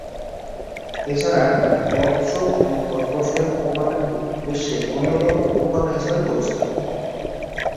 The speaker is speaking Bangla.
এছাড়া, "কচ্ছপ ও খরগোশের" উপ-কথাটি বিশ্বে অন্যতম উপ-কথা হিসেবে পরিচিত।